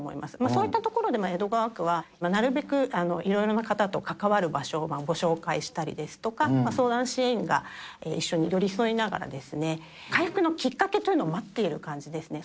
そういったところでも江戸川区は、なるべくいろいろな方と関わる場所をご紹介したりですとか、相談支援が一緒に寄り添いながらですね、回復のきっかけというのを待っている感じですね。